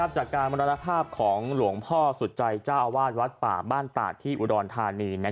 จากการมรณภาพของหลวงพ่อสุดใจเจ้าอาวาสวัดป่าบ้านตาดที่อุดรธานี